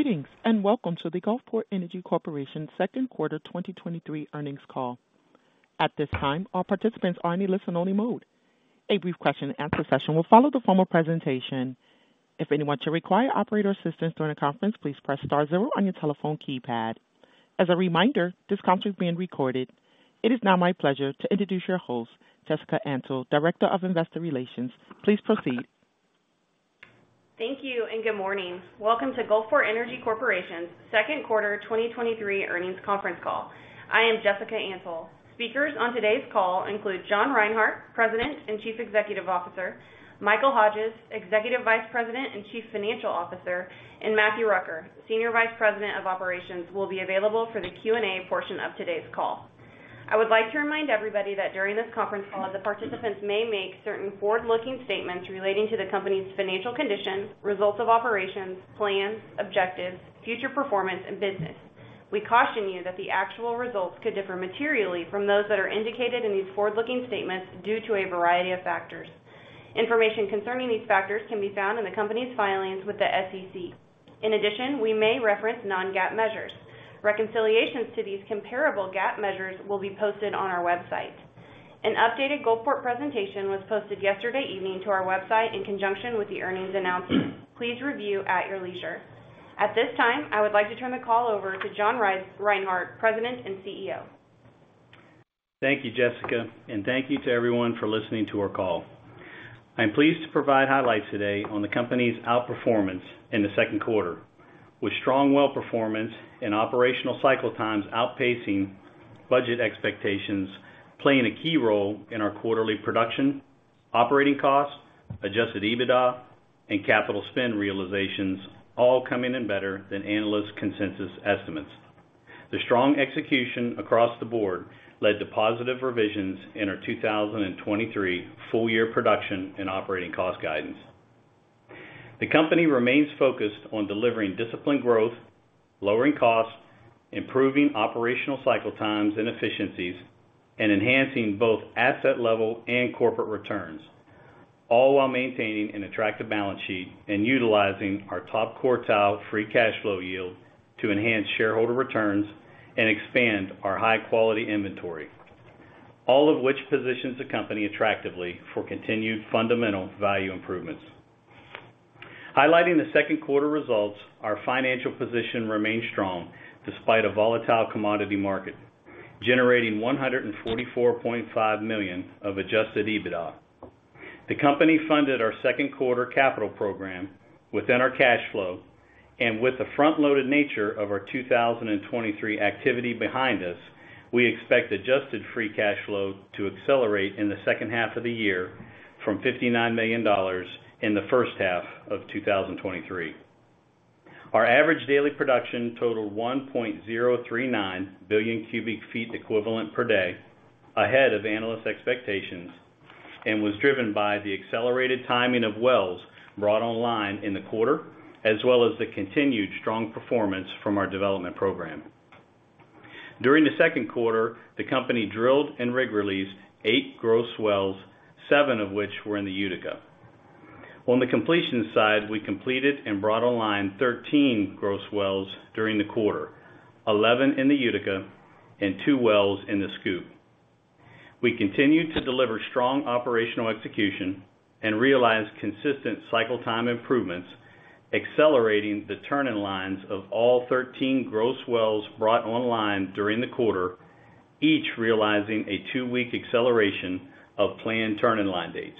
Greetings, welcome to the Gulfport Energy Corporation Second Quarter 2023 Earnings Call. At this time, all participants are in a listen-only mode. A brief question-and-answer session will follow the formal presentation. If anyone should require operator assistance during the conference, please press star zero on your telephone keypad. As a reminder, this conference is being recorded. It is now my pleasure to introduce your host, Jessica Antle, Director of Investor Relations. Please proceed. Thank you. Good morning. Welcome to Gulfport Energy Corporation's second quarter 2023 earnings conference call. I am Jessica Antle. Speakers on today's call include John Reinhart, President and Chief Executive Officer, Michael Hodges, Executive Vice President and Chief Financial Officer, and Matthew Rucker, Senior Vice President of Operations, will be available for the Q&A portion of today's call. I would like to remind everybody that during this conference call, the participants may make certain forward-looking statements relating to the Company's financial conditions, results of operations, plans, objectives, future performance, and business. We caution you that the actual results could differ materially from those that are indicated in these forward-looking statements due to a variety of factors. Information concerning these factors can be found in the company's filings with the SEC. In addition, we may reference non-GAAP measures. Reconciliations to these comparable GAAP measures will be posted on our website. An updated Gulfport presentation was posted yesterday evening to our website in conjunction with the earnings announcement. Please review at your leisure. At this time, I would like to turn the call over to John Reinhart, President and CEO. Thank you, Jessica, and thank you to everyone for listening to our call. I'm pleased to provide highlights today on the company's outperformance in the second quarter, with strong well performance and operational cycle times outpacing budget expectations, playing a key role in our quarterly production, operating costs, Adjusted EBITDA, and capital spend realizations, all coming in better than analyst consensus estimates. The strong execution across the board led to positive revisions in our 2023 full-year production and operating cost guidance. The company remains focused on delivering disciplined growth, lowering costs, improving operational cycle times and efficiencies, and enhancing both asset level and corporate returns, all while maintaining an attractive balance sheet and utilizing our top-quartile free cash flow yield to enhance shareholder returns and expand our high-quality inventory, all of which positions the company attractively for continued fundamental value improvements. Highlighting the second quarter results, our financial position remained strong despite a volatile commodity market, generating $144.5 million of Adjusted EBITDA. The company funded our second quarter capital program within our cash flow. With the front-loaded nature of our 2023 activity behind us, we expect adjusted free cash flow to accelerate in the second half of the year from $59 million in the first half of 2023. Our average daily production totaled 1.039 billion cubic feet equivalent per day, ahead of analyst expectations, and was driven by the accelerated timing of wells brought online in the quarter, as well as the continued strong performance from our development program. During the second quarter, the company drilled and rig released eight gross wells, seven of which were in the Utica. On the completion side, we completed and brought online 13 gross wells during the quarter, 11 in the Utica and two wells in the Scoop. We continued to deliver strong operational execution and realized consistent cycle time improvements, accelerating the turn-in-lines of all 13 gross wells brought online during the quarter, each realizing a two-week acceleration of planned turn-in-line dates.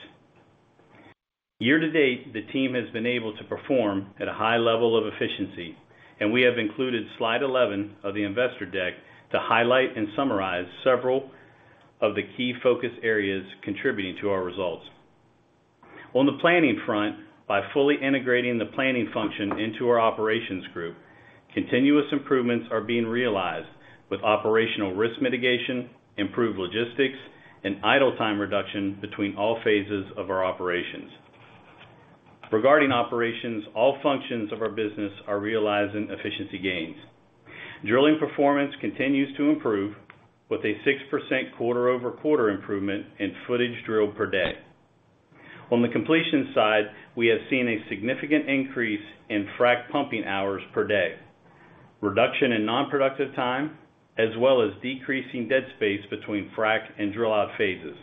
Year-to-date, the team has been able to perform at a high level of efficiency, and we have included slide 11 of the investor deck to highlight and summarize several of the key focus areas contributing to our results. On the planning front, by fully integrating the planning function into our operations group, continuous improvements are being realized with operational risk mitigation, improved logistics, and idle time reduction between all phases of our operations. Regarding operations, all functions of our business are realizing efficiency gains. Drilling performance continues to improve, with a 6% quarter-over-quarter improvement in footage drilled per day. On the completion side, we have seen a significant increase in frack pumping hours per day, reduction in non-productive time, as well as decreasing dead space between frack and drill out phases.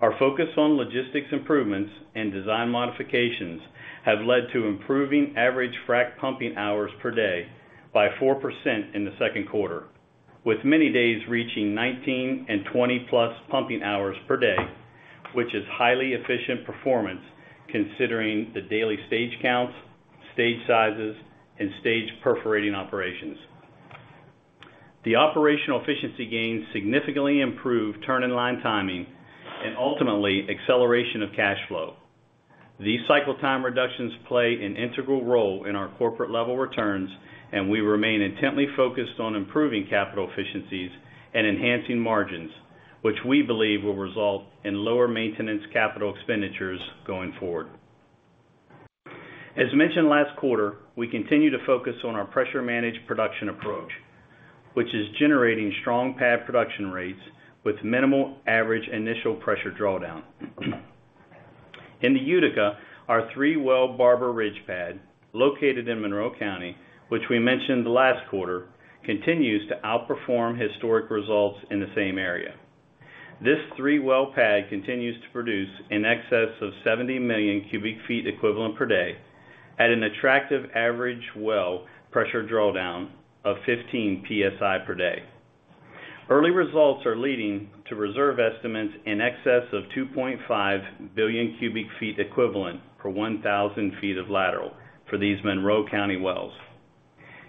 Our focus on logistics improvements and design modifications have led to improving average frack pumping hours per day by 4% in the second quarter, with many days reaching 19 and 20+ pumping hours per day, which is highly efficient performance considering the daily stage counts, stage sizes, and stage perforating operations. The operational efficiency gains significantly improve turn-in-line timing and ultimately acceleration of cash flow. These cycle time reductions play an integral role in our corporate-level returns, and we remain intently focused on improving capital efficiencies and enhancing margins, which we believe will result in lower maintenance capital expenditures going forward. As mentioned last quarter, we continue to focus on our pressure managed production approach, which is generating strong pad production rates with minimal average initial pressure drawdown. In the Utica, our three-well Barber Ridge pad, located in Monroe County, which we mentioned last quarter, continues to outperform historic results in the same area. This three-well pad continues to produce in excess of 70 million cubic feet equivalent per day at an attractive average well pressure drawdown of 15 psi per day. Early results are leading to reserve estimates in excess of 2.5 billion cubic feet equivalent per 1,000 feet of lateral for these Monroe County wells.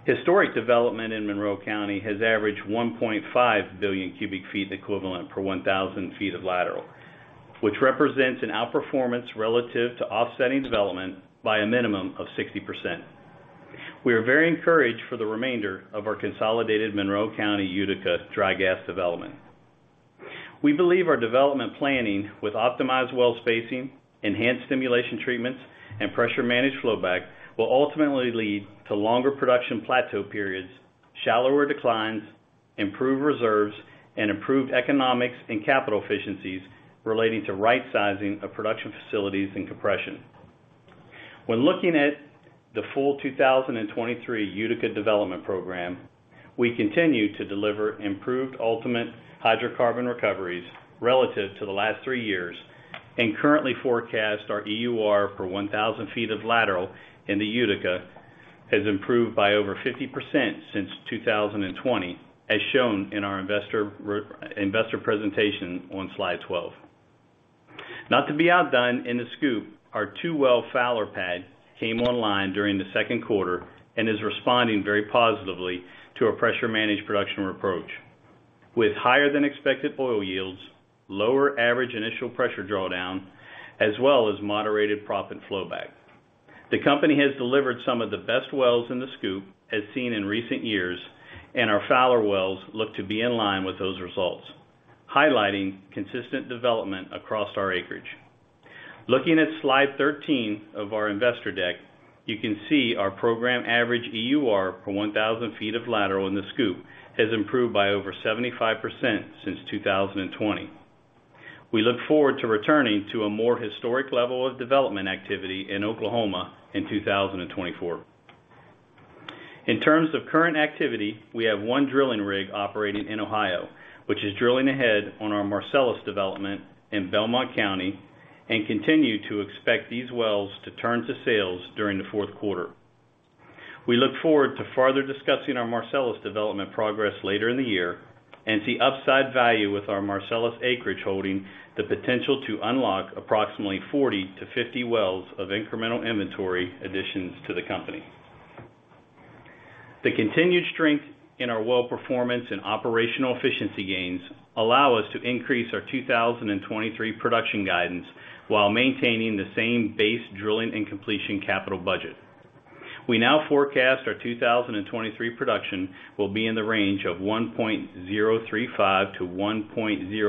Historic development in Monroe County has averaged 1.5 billion cubic feet equivalent per 1,000 feet of lateral, which represents an outperformance relative to offsetting development by a minimum of 60%. We are very encouraged for the remainder of our consolidated Monroe County Utica dry gas development. We believe our development planning with optimized well spacing, enhanced stimulation treatments, and pressure-managed flowback will ultimately lead to longer production plateau periods, shallower declines, improved reserves, and improved economics and capital efficiencies relating to right-sizing of production facilities and compression. When looking at the full 2023 Utica development program, we continue to deliver improved ultimate hydrocarbon recoveries relative to the last three years. Currently forecast our EUR for 1,000 feet of lateral in the Utica has improved by over 50% since 2020, as shown in our investor presentation on slide 12. Not to be outdone in the Scoop, our 2-well Fowler pad came online during the 2Q and is responding very positively to a pressure-managed production approach, with higher-than-expected oil yields, lower average initial pressure drawdown, as well as moderated proppant flowback. The company has delivered some of the best wells in the Scoop, as seen in recent years, and our Fowler wells look to be in line with those results, highlighting consistent development across our acreage. Looking at Slide 13 of our investor deck, you can see our program average EUR for 1,000 feet of lateral in the Scoop has improved by over 75% since 2020. We look forward to returning to a more historic level of development activity in Oklahoma in 2024. In terms of current activity, we have one drilling rig operating in Ohio, which is drilling ahead on our Marcellus development in Belmont County and continue to expect these wells to turn to sales during the fourth quarter. We look forward to further discussing our Marcellus development progress later in the year and see upside value with our Marcellus acreage, holding the potential to unlock approximately 40-50 wells of incremental inventory additions to the company. The continued strength in our well performance and operational efficiency gains allow us to increase our 2023 production guidance while maintaining the same base drilling and completion capital budget. We now forecast our 2023 production will be in the range of 1.035 billion cubic feet equivalent per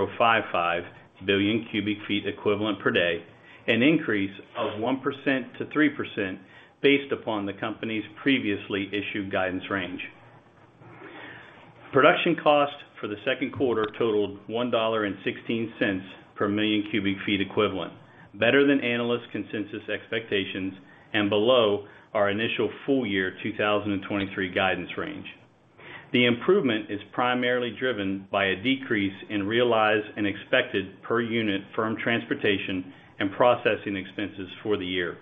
day-1.055 billion cubic feet equivalent per day, an increase of 1%-3% based upon the company's previously issued guidance range. Production cost for the second quarter totaled $1.16 per million cubic feet equivalent, better than analyst consensus expectations and below our initial full-year 2023 guidance range. The improvement is primarily driven by a decrease in realized and expected per-unit firm transportation and processing expenses for the year.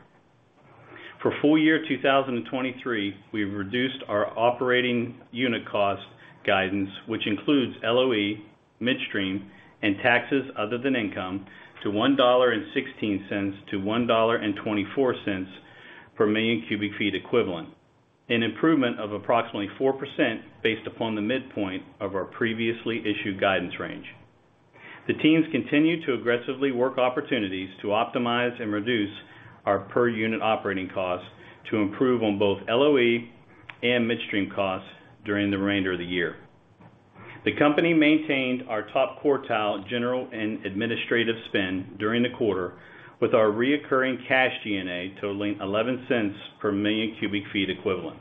For full-year 2023, we've reduced our operating unit cost guidance, which includes LOE, midstream, and taxes other than income, to $1.16-$1.24 per million cubic feet equivalent, an improvement of approximately 4% based upon the midpoint of our previously issued guidance range. The teams continue to aggressively work opportunities to optimize and reduce our per-unit operating costs to improve on both LOE and midstream costs during the remainder of the year. The company maintained our top-quartile general and administrative spend during the quarter, with our reoccurring cash G&A totaling $0.11 per million cubic feet equivalent.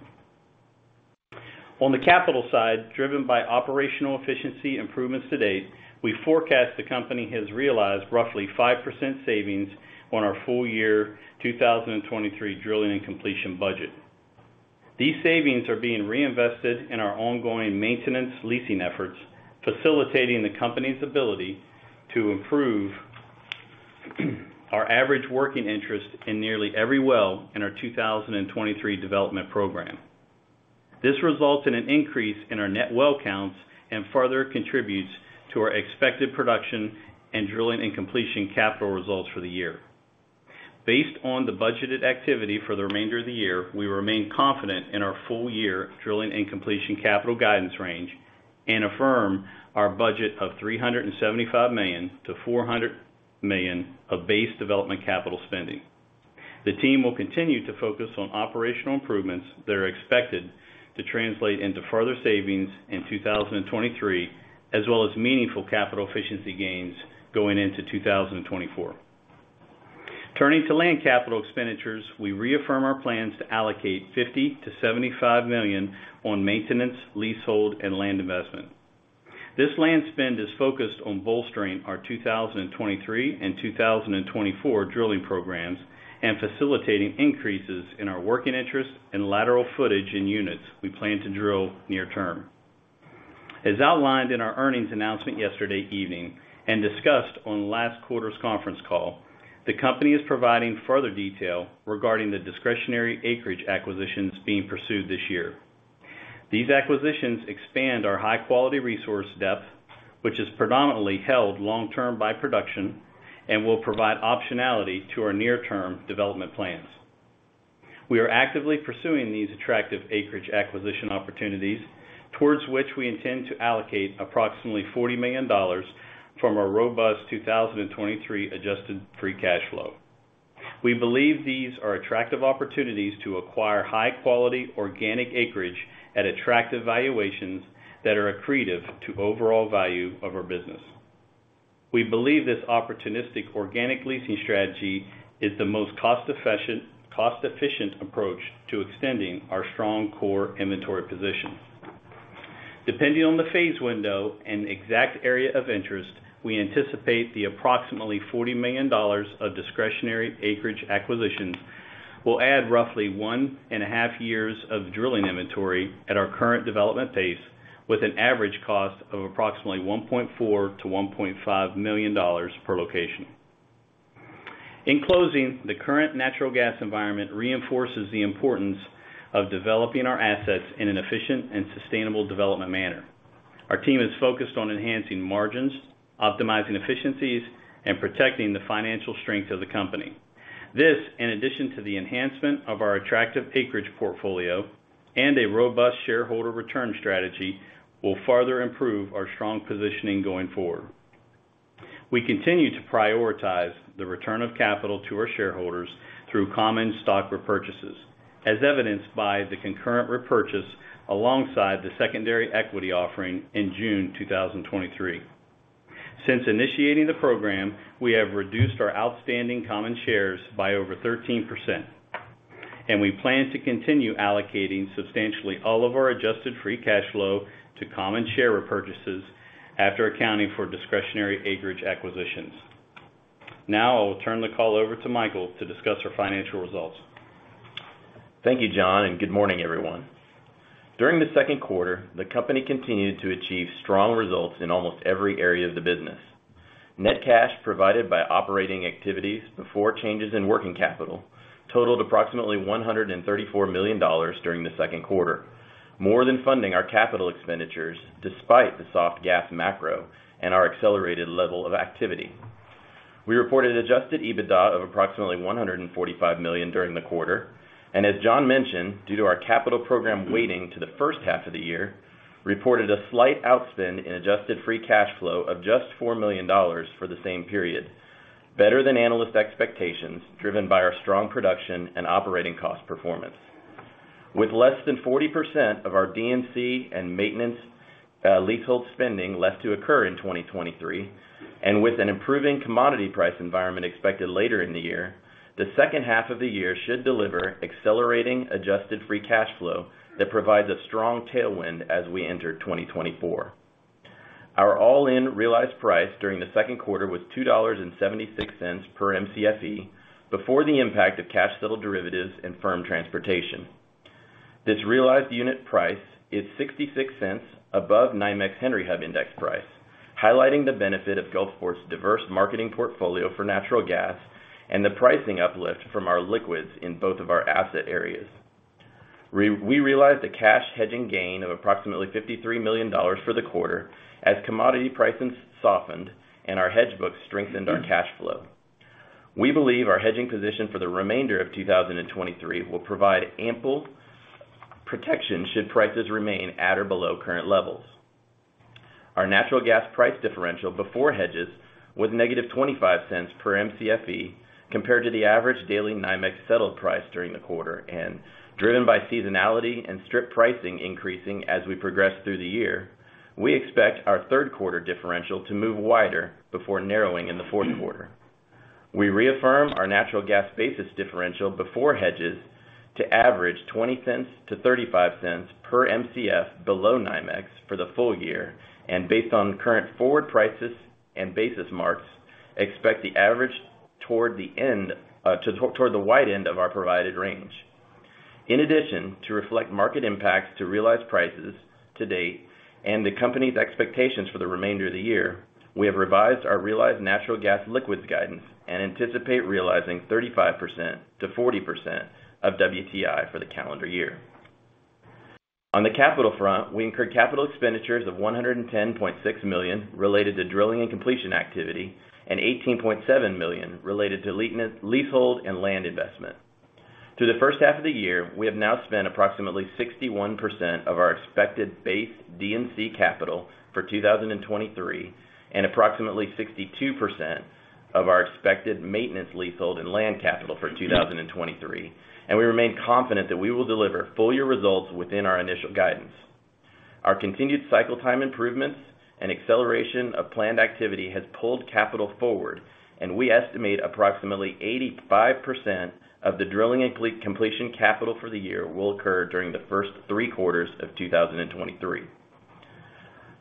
On the capital side, driven by operational efficiency improvements to date, we forecast the company has realized roughly 5% savings on our full-year 2023 drilling and completion budget. These savings are being reinvested in our ongoing maintenance leasing efforts, facilitating the company's ability to improve our average working interest in nearly every well in our 2023 development program. This results in an increase in our net well counts and further contributes to our expected production and drilling and completion capital results for the year. Based on the budgeted activity for the remainder of the year, we remain confident in our full-year drilling and completion capital guidance range and affirm our budget of $375 million-$400 million of base development capital spending. The team will continue to focus on operational improvements that are expected to translate into further savings in 2023, as well as meaningful capital efficiency gains going into 2024. Turning to land capital expenditures, we reaffirm our plans to allocate $50 million-$75 million on maintenance, leasehold, and land investment. This land spend is focused on bolstering our 2023 and 2024 drilling programs and facilitating increases in our working interest and lateral footage in units we plan to drill near term. As outlined in our earnings announcement yesterday evening and discussed on last quarter's conference call, the company is providing further detail regarding the discretionary acreage acquisitions being pursued this year. These acquisitions expand our high-quality resource depth, which is predominantly held long-term by production and will provide optionality to our near-term development plans. We are actively pursuing these attractive acreage acquisition opportunities, towards which we intend to allocate approximately $40 million from our robust 2023 adjusted free cash flow. We believe these are attractive opportunities to acquire high-quality, organic acreage at attractive valuations that are accretive to overall value of our business. We believe this opportunistic organic leasing strategy is the most cost-efficient, cost-efficient approach to extending our strong core inventory position. Depending on the phase window and exact area of interest, we anticipate the approximately $40 million of discretionary acreage acquisitions will add roughly one and a half years of drilling inventory at our current development pace, with an average cost of approximately $1.4 million-$1.5 million per location. In closing, the current natural gas environment reinforces the importance of developing our assets in an efficient and sustainable development manner. Our team is focused on enhancing margins, optimizing efficiencies, and protecting the financial strength of the company. This, in addition to the enhancement of our attractive acreage portfolio and a robust shareholder return strategy, will further improve our strong positioning going forward. We continue to prioritize the return of capital to our shareholders through common stock repurchases, as evidenced by the concurrent repurchase alongside the secondary equity offering in June 2023. Since initiating the program, we have reduced our outstanding common shares by over 13%, and we plan to continue allocating substantially all of our adjusted free cash flow to common share repurchases after accounting for discretionary acreage acquisitions. Now I will turn the call over to Michael to discuss our financial results. Thank you, John, and good morning, everyone. During the second quarter, the company continued to achieve strong results in almost every area of the business. Net cash provided by operating activities before changes in working capital totaled approximately $134 million during the second quarter, more than funding our capital expenditures despite the soft gas macro and our accelerated level of activity. We reported Adjusted EBITDA of approximately $145 million during the quarter, and as John mentioned, due to our capital program weighting to the first half of the year, reported a slight outspend in adjusted free cash flow of just $4 million for the same period, better than analyst expectations, driven by our strong production and operating cost performance. With less than 40% of our D&C and maintenance leasehold spending left to occur in 2023, with an improving commodity price environment expected later in the year, the second half of the year should deliver accelerating adjusted free cash flow that provides a strong tailwind as we enter 2024. Our all-in realized price during the second quarter was $2.76 per Mcfe, before the impact of cash-settled derivatives and firm transportation. This realized unit price is $0.66 above NYMEX Henry Hub index price, highlighting the benefit of Gulfport's diverse marketing portfolio for natural gas and the pricing uplift from our liquids in both of our asset areas. We realized a cash hedging gain of approximately $53 million for the quarter as commodity prices softened and our hedge book strengthened our cash flow. We believe our hedging position for the remainder of 2023 will provide ample protection should prices remain at or below current levels. Our natural gas price differential before hedges was negative $0.25 per Mcfe compared to the average daily NYMEX settled price during the quarter, and driven by seasonality and strip pricing increasing as we progress through the year, we expect our third quarter differential to move wider before narrowing in the fourth quarter. We reaffirm our natural gas basis differential before hedges to average $0.20-$0.35 per Mcf below NYMEX for the full year, and based on current forward prices and basis marks, expect the average toward the end, toward the wide end of our provided range. To reflect market impacts to realized prices to date and the company's expectations for the remainder of the year, we have revised our realized natural gas liquids guidance and anticipate realizing 35%-40% of WTI for the calendar year. On the capital front, we incurred capital expenditures of $110.6 million, related to drilling and completion activity, and $18.7 million, related to leasehold and land investment. Through the first half of the year, we have now spent approximately 61% of our expected base D&C capital for 2023, and approximately 62% of our expected maintenance leasehold and land capital for 2023. We remain confident that we will deliver full year results within our initial guidance. Our continued cycle time improvements and acceleration of planned activity has pulled capital forward, and we estimate approximately 85% of the drilling and completion capital for the year will occur during the first three quarters of 2023.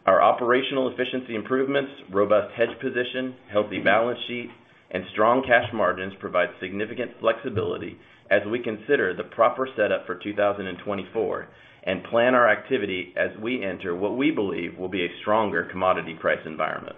Our operational efficiency improvements, robust hedge position, healthy balance sheet, and strong cash margins provide significant flexibility as we consider the proper setup for 2024, and plan our activity as we enter what we believe will be a stronger commodity price environment.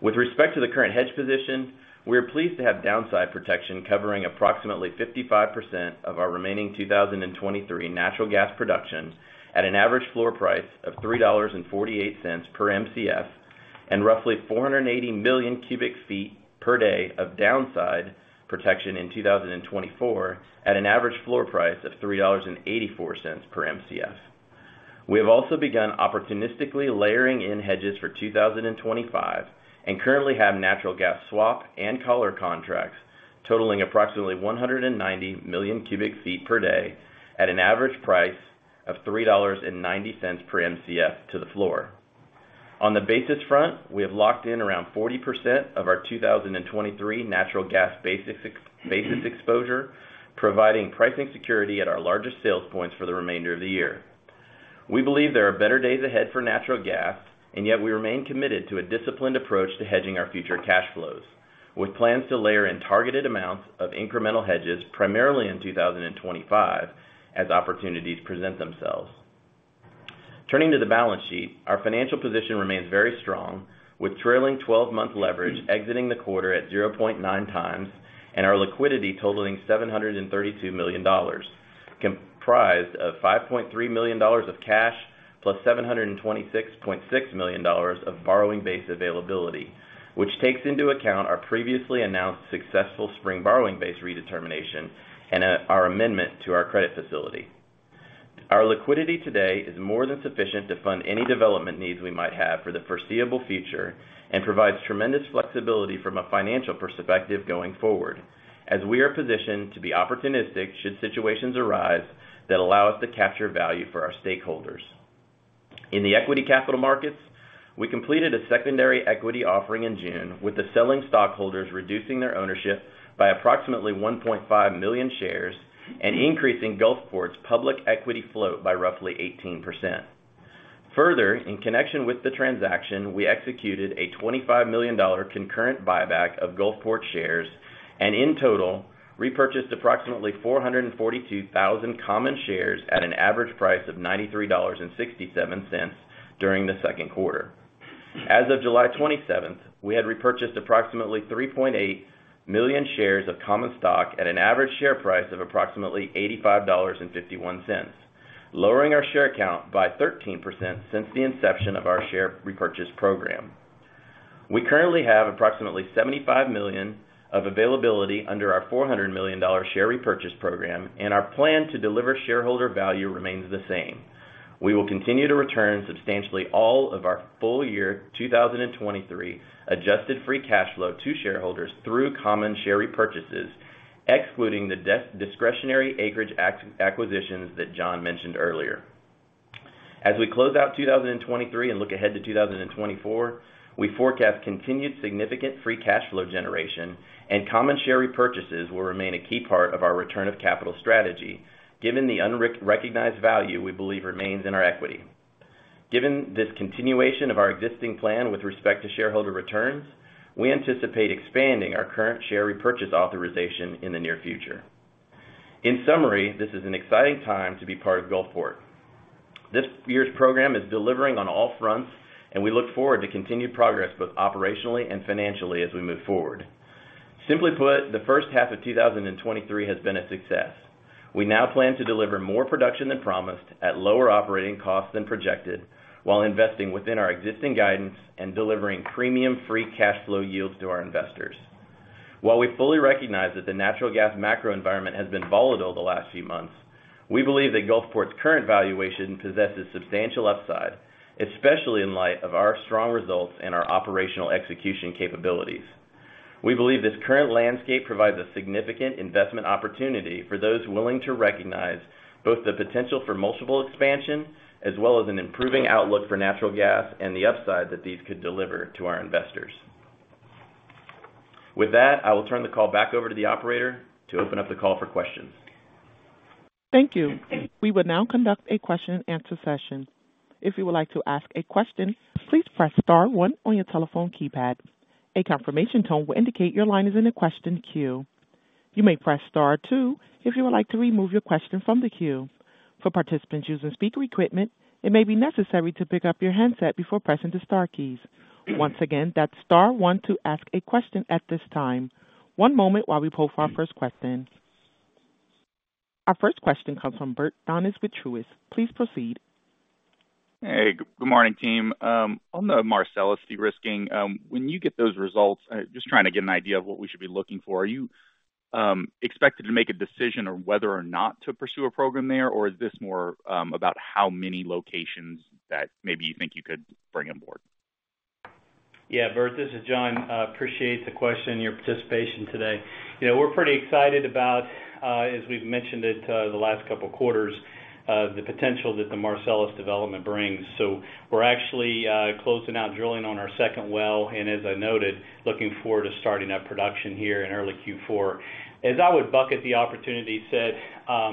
With respect to the current hedge position, we are pleased to have downside protection covering approximately 55% of our remaining 2023 natural gas production at an average floor price of $3.48 per Mcf, and roughly 480 million cubic feet per day of downside protection in 2024 at an average floor price of $3.84 per Mcf. We have also begun opportunistically layering in hedges for 2025, and currently have natural gas swap and collar contracts totaling approximately 190 million cubic feet per day at an average price of $3.90 per Mcf to the floor. On the basis front, we have locked in around 40% of our 2023 natural gas basis, ex- basis exposure, providing pricing security at our largest sales points for the remainder of the year. We believe there are better days ahead for natural gas, yet we remain committed to a disciplined approach to hedging our future cash flows, with plans to layer in targeted amounts of incremental hedges, primarily in 2025, as opportunities present themselves. Turning to the balance sheet, our financial position remains very strong, with trailing twelve-month leverage exiting the quarter at 0.9x, and our liquidity totaling $732 million, comprised of $5.3 million of cash, plus $726.6 million of borrowing base availability, which takes into account our previously announced successful spring borrowing base redetermination and our amendment to our credit facility. Our liquidity today is more than sufficient to fund any development needs we might have for the foreseeable future and provides tremendous flexibility from a financial perspective going forward, as we are positioned to be opportunistic should situations arise that allow us to capture value for our stakeholders. In the equity capital markets, we completed a secondary equity offering in June, with the selling stockholders reducing their ownership by approximately 1.5 million shares and increasing Gulfport's public equity float by roughly 18%. Further, in connection with the transaction, we executed a $25 million concurrent buyback of Gulfport shares, and in total, repurchased approximately 442,000 common shares at an average price of $93.67 during the second quarter. As of July 27th, we had repurchased approximately 3.8 million shares of common stock at an average share price of approximately $85.51, lowering our share count by 13% since the inception of our share repurchase program. We currently have approximately $75 million of availability under our $400 million share repurchase program, and our plan to deliver shareholder value remains the same. We will continue to return substantially all of our full year 2023 adjusted free cash flow to shareholders through common share repurchases, excluding the discretionary acreage acquisitions that John mentioned earlier. As we close out 2023 and look ahead to 2024, we forecast continued significant free cash flow generation and common share repurchases will remain a key part of our return of capital strategy, given the unrecognized value we believe remains in our equity. Given this continuation of our existing plan with respect to shareholder returns, we anticipate expanding our current share repurchase authorization in the near future. In summary, this is an exciting time to be part of Gulfport. This year's program is delivering on all fronts, and we look forward to continued progress, both operationally and financially, as we move forward. Simply put, the first half of 2023 has been a success. We now plan to deliver more production than promised at lower operating costs than projected, while investing within our existing guidance and delivering premium free cash flow yields to our investors. While we fully recognize that the natural gas macro environment has been volatile the last few months, we believe that Gulfport's current valuation possesses substantial upside, especially in light of our strong results and our operational execution capabilities. We believe this current landscape provides a significant investment opportunity for those willing to recognize both the potential for multiple expansion, as well as an improving outlook for natural gas and the upside that these could deliver to our investors. With that, I will turn the call back over to the operator to open up the call for questions. Thank you. We will now conduct a question and answer session. If you would like to ask a question, please press star one on your telephone keypad. A confirmation tone will indicate your line is in the question queue. You may press star two if you would like to remove your question from the queue. For participants using speaker equipment, it may be necessary to pick up your handset before pressing the star keys. Once again, that's star one to ask a question at this time. One moment while we pull for our first question. Our first question comes from Bert Donnes with Truist. Please proceed. Hey, good morning, team. On the Marcellus de-risking, when you get those results, just trying to get an idea of what we should be looking for, are you expected to make a decision on whether or not to pursue a program there? Or is this more about how many locations that maybe you think you could bring on board? Yeah, Bert, this is John. I appreciate the question, your participation today. You know, we're pretty excited about, as we've mentioned it, the last couple of quarters, the potential that the Marcellus development brings. We're actually closing out drilling on our second well, and as I noted, looking forward to starting up production here in early Q4. As I would bucket the opportunity set,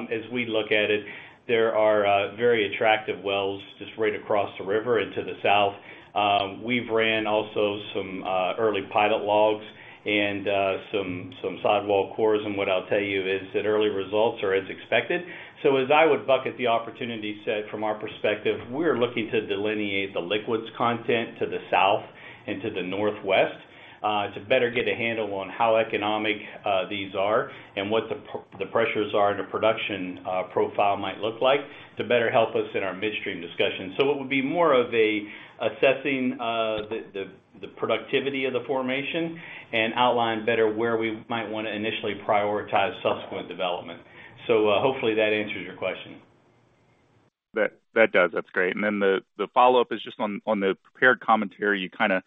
as we look at it, there are very attractive wells just right across the river and to the south. We've ran also some early pilot logs and some, some sidewall cores. What I'll tell you is that early results are as expected. As I would bucket the opportunity set from our perspective, we're looking to delineate the liquids content to the south and to the northwest to better get a handle on how economic these are and what the pressures are, and the production profile might look like to better help us in our midstream discussions. It would be more of assessing the productivity of the formation and outline better where we might want to initially prioritize subsequent development. Hopefully, that answers your question. That does. That's great. Then the, the follow-up is just on, on the prepared commentary. You kind of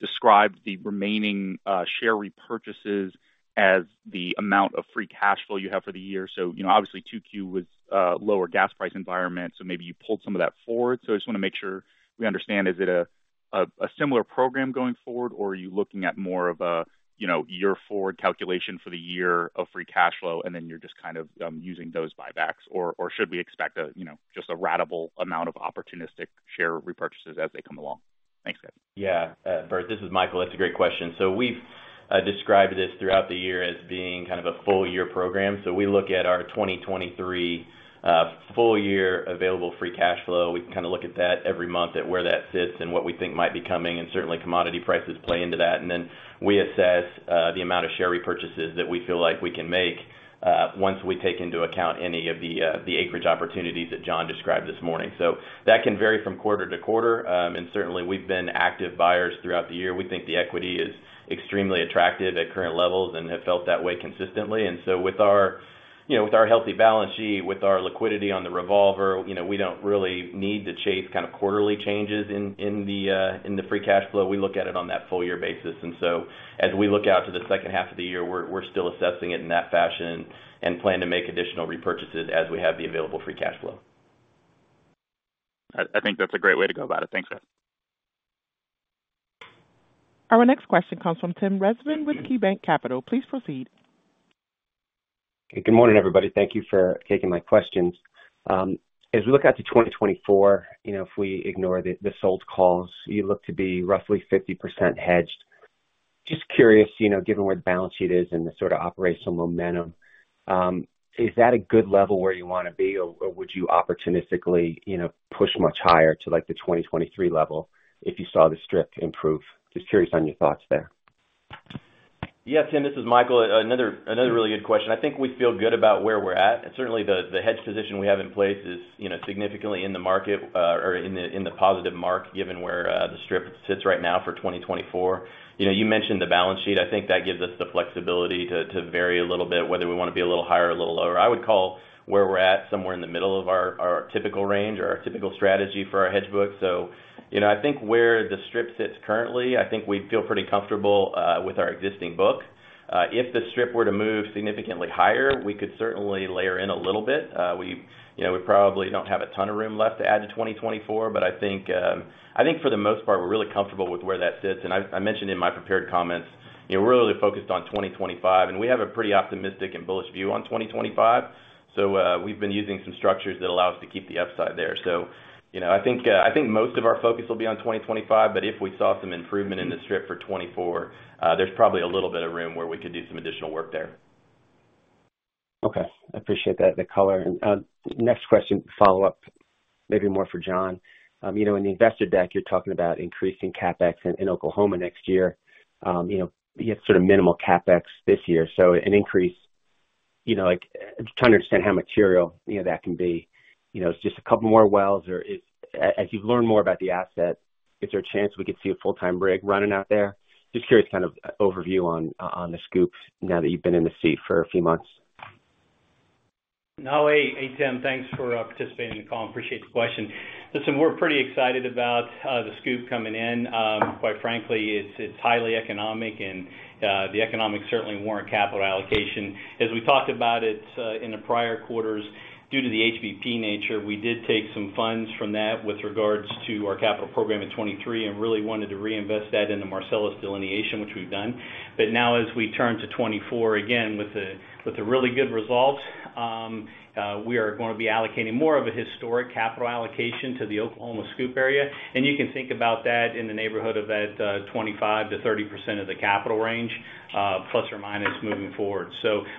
described the remaining share repurchases as the amount of free cash flow you have for the year. You know, obviously, 2Q was a lower gas price environment, so maybe you pulled some of that forward. I just wanna make sure we understand, is it a, a similar program going forward, or are you looking at more of a, you know, year forward calculation for the year of free cash flow, and then you're just kind of using those buybacks? Or should we expect a, you know, just a ratable amount of opportunistic share repurchases as they come along? Thanks, guys. Yeah, Bert, this is Michael. That's a great question. We've described this throughout the year as being kind of a full year program. We look at our 2023 full year available free cash flow. We can kinda look at that every month at where that sits and what we think might be coming, and certainly commodity prices play into that. Then we assess the amount of share repurchases that we feel like we can make once we take into account any of the acreage opportunities that John described this morning. That can vary from quarter to quarter. Certainly, we've been active buyers throughout the year. We think the equity is extremely attractive at current levels and have felt that way consistently. With our, you know, with our healthy balance sheet, with our liquidity on the revolver, you know, we don't really need to chase kind of quarterly changes in the free cash flow. We look at it on that full year basis. As we look out to the second half of the year, we're, we're still assessing it in that fashion and plan to make additional repurchases as we have the available free cash flow. I think that's a great way to go about it. Thanks, guys. Our next question comes from Tim Rezvan with KeyBanc Capital. Please proceed. Good morning, everybody. Thank you for taking my questions. As we look out to 2024, you know, if we ignore the, the sold calls, you look to be roughly 50% hedged. Just curious, you know, given where the balance sheet is and the sort of operational momentum, is that a good level where you wanna be, or, or would you opportunistically, you know, push much higher to, like, the 2023 level if you saw the strip improve? Just curious on your thoughts there. Yeah, Tim, this is Michael. Another, another really good question. I think we feel good about where we're at, and certainly the, the hedge position we have in place is, you know, significantly in the market, or in the, in the positive mark, given where the strip sits right now for 2024. You know, you mentioned the balance sheet. I think that gives us the flexibility to, to vary a little bit, whether we wanna be a little higher or a little lower. I would call where we're at somewhere in the middle of our, our typical range or our typical strategy for our hedge book. You know, I think where the strip sits currently, I think we feel pretty comfortable with our existing book. If the strip were to move significantly higher, we could certainly layer in a little bit. We, you know, we probably don't have a ton of room left to add to 2024, but I think, I think for the most part, we're really comfortable with where that sits. I, I mentioned in my prepared comments, you know, we're really focused on 2025, and we have a pretty optimistic and bullish view on 2025. We've been using some structures that allow us to keep the upside there. You know, I think, I think most of our focus will be on 2025, but if we saw some improvement in the strip for 2024, there's probably a little bit of room where we could do some additional work there. Okay, I appreciate that, the color. Next question, follow-up, maybe more for John. You know, in the investor deck, you're talking about increasing CapEx in, in Oklahoma next year. You know, you have sort of minimal CapEx this year, so an increase, you know, like trying to understand how material, you know, that can be. You know, it's just a couple more wells, or as you learn more about the asset, is there a chance we could see a full-time rig running out there? Just curious, kind of overview on, on the Scoop now that you've been in the seat for a few months. No. Hey, hey, Tim, thanks for participating in the call. Appreciate the question. Listen, we're pretty excited about the Scoop coming in. Quite frankly, it's, it's highly economic and the economics certainly warrant capital allocation. As we talked about it in the prior quarters, due to the HBP nature, we did take some funds from that with regards to our capital program in 2023, and really wanted to reinvest that in the Marcellus delineation, which we've done. Now as we turn to 2024, again, with a, with a really good result, we are gonna be allocating more of a historic capital allocation to the Oklahoma Scoop area. You can think about that in the neighborhood of that 25%-30% of the capital range, plus or minus, moving forward.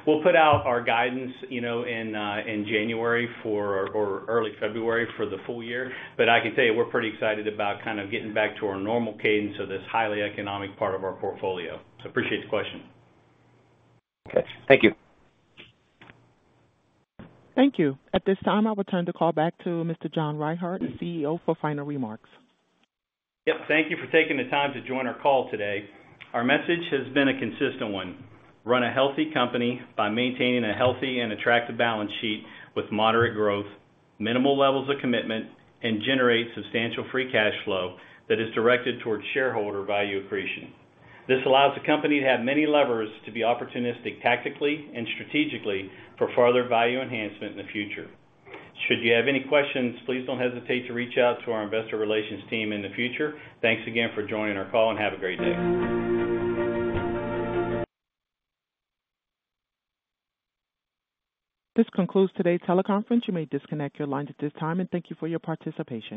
We'll put out our guidance, you know, in January for, or early February for the full year. I can tell you, we're pretty excited about kind of getting back to our normal cadence of this highly economic part of our portfolio. Appreciate the question. Okay. Thank you. Thank you. At this time, I'll return the call back to Mr. John Reinhart, CEO, for final remarks. Yep. Thank you for taking the time to join our call today. Our message has been a consistent one: Run a healthy company by maintaining a healthy and attractive balance sheet with moderate growth, minimal levels of commitment, and generate substantial free cash flow that is directed towards shareholder value accretion. This allows the company to have many levers to be opportunistic, tactically and strategically, for further value enhancement in the future. Should you have any questions, please don't hesitate to reach out to our investor relations team in the future. Thanks again for joining our call, and have a great day. This concludes today's teleconference. You may disconnect your lines at this time. Thank you for your participation.